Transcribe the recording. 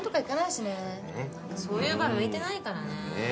そういう場は向いてないからね。